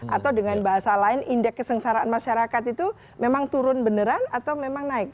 atau dengan bahasa lain indeks kesengsaraan masyarakat itu memang turun beneran atau memang naik